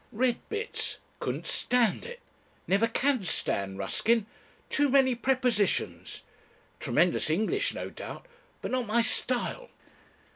"Read bits. Couldn't stand it. Never can stand Ruskin. Too many prepositions. Tremendous English, no doubt, but not my style.